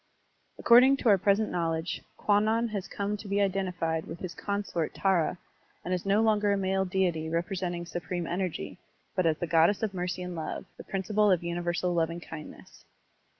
According to our present knowledge, Kwannon has come to be identified with his consort Tkvk and is no longer a male deity representing supreme energy, but as the goddess of mercy and love, the prin ciple of universal lovingkindness.